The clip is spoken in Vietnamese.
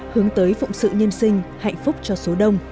hướng tới phụng sự nhân sinh hạnh phúc cho số đông